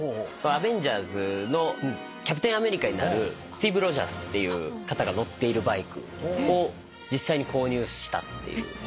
『アベンジャーズ』のキャプテン・アメリカになるスティーブ・ロジャースっていう方が乗っているバイクを実際に購入したっていう。